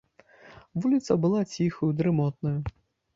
Вуліца была ціхаю, дрымотнаю.